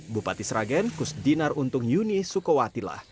bupati sragen kusdinar untung yuni sukowatilah